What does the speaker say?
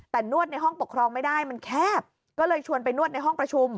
แต่นวดในห้องปกครองไม่ได้มันแคบก็เลยชวนไปนวดในห้องประชุม